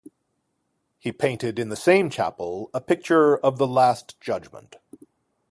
He painted in the same chapel a picture of the Last Judgment.